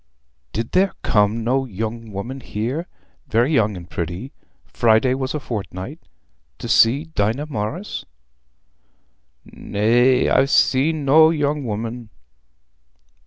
"Did there come no young woman here—very young and pretty—Friday was a fortnight, to see Dinah Morris?" "Nay; I'n seen no young woman."